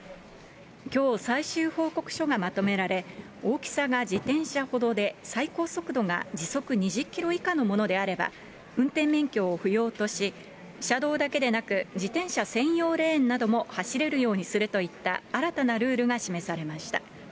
きょう、最終報告書がまとめられ、大きさが自転車ほどで、最高速度が時速２０キロ以下のものであれば、運転免許を不要とし、車道だけでなく、自転車専用レーンなども走れるようにするといった新たなルールが示されました。